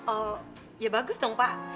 oh ya bagus dong pak